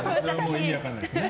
意味分かんないですね。